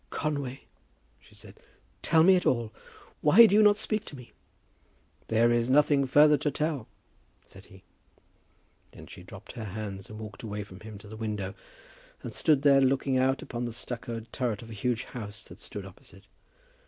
"Conway," she said, "tell it me all. Why do you not speak to me?" "There is nothing further to tell," said he. Then she dropped his hands and walked away from him to the window, and stood there looking out upon the stuccoed turret of a huge house that stood opposite.